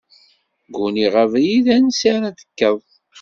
Gguniɣ abrid ansi ara d-tekkeḍ.